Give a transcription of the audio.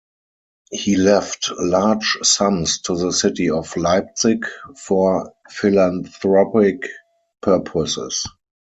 He left large sums to the city of Leipzig for philanthropic purposes.